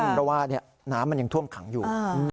เพราะว่าน้ำมันยังท่วมขังอยู่